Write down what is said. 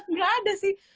nggak ada sih